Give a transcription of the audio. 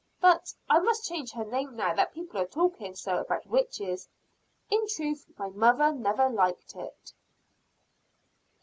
But I must change her name now that people are talking so about witches. In truth my mother never liked it."